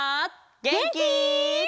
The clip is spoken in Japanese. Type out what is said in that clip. げんき？